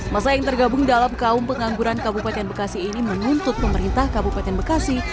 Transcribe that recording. masa yang tergabung dalam kaum pengangguran kabupaten bekasi ini menuntut pemerintah kabupaten bekasi